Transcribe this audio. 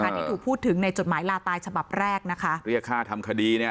ที่ถูกพูดถึงในจดหมายลาตายฉบับแรกนะคะเรียกค่าทำคดีเนี่ย